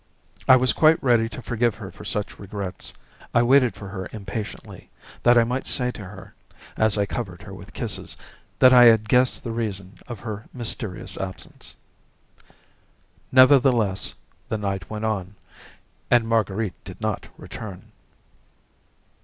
I was quite ready to forgive her for such regrets. I waited for her impatiently, that I might say to her, as I covered her with kisses, that I had guessed the reason of her mysterious absence. Nevertheless, the night went on, and Marguerite did not return.